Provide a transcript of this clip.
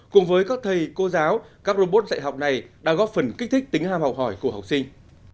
cùng với các thầy cô giáo các robot dạy học này đã góp phần kích thích tính ham học hỏi của học sinh